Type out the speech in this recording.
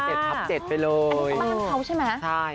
รับทรัพย์๗ไปเลย